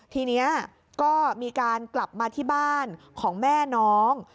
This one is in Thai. ทีนี้ก็มีการกลับมาที่บ้านของแม่น้อง